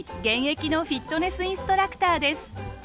現役のフィットネスインストラクターです。